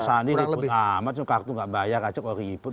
sandi ribut amat kartu nggak bayar aja kok ribut